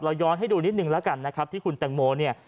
ย้อนให้ดูนิดนึงแล้วกันนะครับที่คุณแตงโมเนี่ย